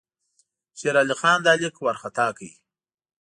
شېر علي خان دا لیک وارخطا کړ.